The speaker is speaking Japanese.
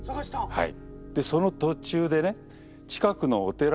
はい。